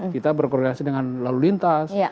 kita berkoordinasi dengan lalu lintas